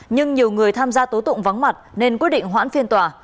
nhưng nhiều người tham gia tố tụng vắng mặt nên quyết định hoãn phiên tòa